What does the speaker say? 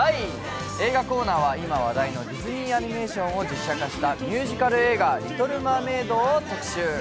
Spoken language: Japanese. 映画コーナーは今話題のディズニーアニメーションを実写化した実写化したミュージカル映画「リトル・マーメイド」を特集。